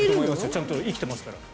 ちゃんと生きてますから。